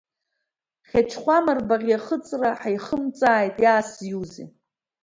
Хьачхәама рбаӷь иахыҵраҳа ихымҵааит, иаасзиузеи!